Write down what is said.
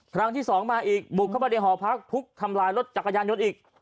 ครั้งที่สองมาอีกบุกเข้ามาในหอพักทุบทำลายรถจักรยานยนต์อีก